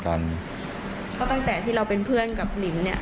ก็ตั้งแต่ที่เราเป็นเพื่อนกับหลินเนี่ย